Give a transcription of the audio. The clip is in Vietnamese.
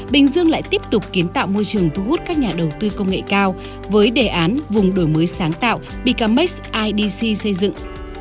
bình dương lại tiếp tục kiến tạo môi trường thu hút các nhà đầu tư công nghệ cao với đề án vùng đổi mới sáng tạo becamex idc xây dựng